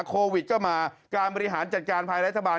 โควิดก็มาการบริหารจัดการภายรัฐบาล